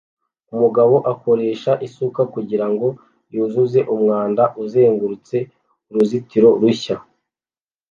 Umugabo akoresha isuka kugirango yuzuze umwanda uzengurutse uruzitiro rushya